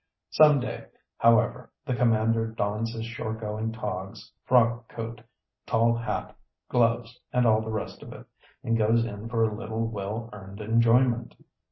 Some day, however, the commander dons his shore going "togs," frock coat, tall hat, gloves, and all the rest of it, and goes in for a little well earned enjoyment.